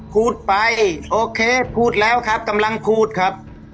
พูดไปโอเคพูดแล้วครับกำลังพูดครับ